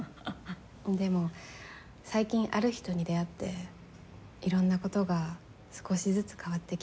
でも最近ある人に出会っていろんな事が少しずつ変わってきた気がします。